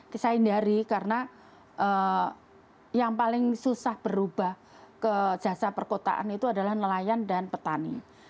kita hindari karena yang paling susah berubah ke jasa perkotaan itu adalah nelayan dan petani